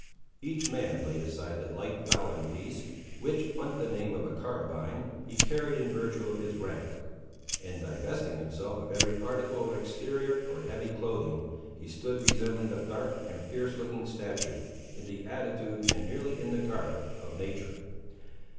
Each man laid aside the light fowling piece, which, under the name of a carabine, he carried in virtue of his rank; and divesting himself of every article of exterior or heavy clothing, he stood resembling a dark and fierce looking statue, in the attitude, and nearly in the garb, of nature.